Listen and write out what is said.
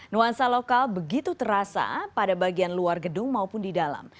nuansa lokal begitu terasa pada bagian luar gedung maupun di dalam